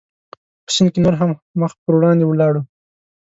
په سیند کې نور هم مخ پر وړاندې ولاړو.